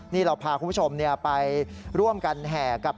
นี่เราพาคุณผู้ชมไปร่วมกันแห่กับ